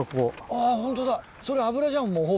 あぁホントだ。